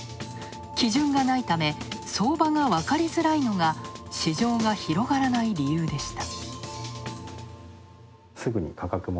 基準がないため相場が分かりづらいのが市場が広がらない理由でした。